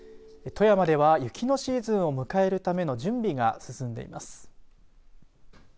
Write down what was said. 富山では雪のシーズンを迎えるための準備が進んでいます。